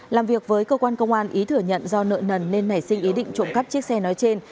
làm việc với cơ quan công an ý thừa nhận do nợ nần nên nảy sinh ý định trộm cắp chiếc xe nói trên